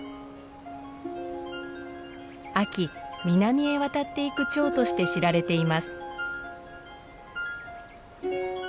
秋南へ渡っていくチョウとして知られています。